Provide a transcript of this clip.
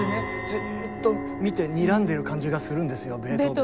じっと見てにらんでる感じがするんですよベートーベンって。